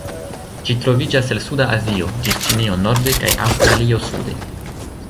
Ĝi troviĝas el suda Azio, ĝis Ĉinio norde kaj Aŭstralio sude.